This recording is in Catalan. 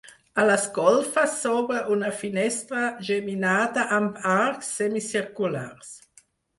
A les golfes s'obre una finestra geminada amb arcs semicirculars.